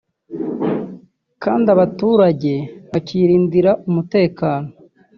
kandi abaturage bakirindira umutekano